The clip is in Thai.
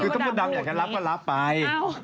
คือถ้ามดดำอยากจะรับก็รับไป